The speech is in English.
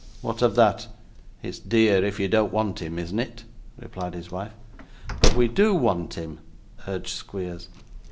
'What of that; it's dear if you don't want him, isn't it?' replied his wife. 'But we DO want him,' urged Squeers.